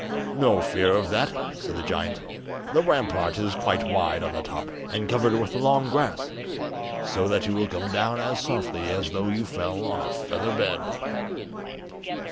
"No fear of that," said the giant; "the rampart is quite wide on the top, and covered with long grass, so that you will come down as softly as though you fell on a feather bed."